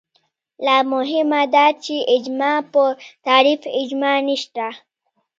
لا مهمه دا چې اجماع پر تعریف اجماع نشته